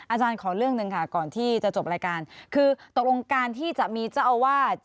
อาจารย์ขอเรื่องหนึ่งค่ะก่อนที่จะจบรายการคือตกลงการที่จะมีเจ้าอาวาส